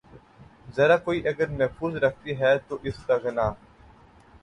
زرہ کوئی اگر محفوظ رکھتی ہے تو استغنا